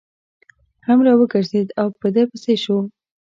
هم را وګرځېد او په ده پسې شو.